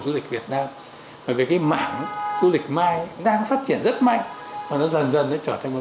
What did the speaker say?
du lịch việt nam bởi vì cái mảng du lịch mice đang phát triển rất mạnh và nó dần dần nó trở thành một